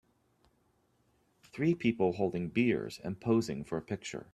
Three people holding beers and posing for a picture.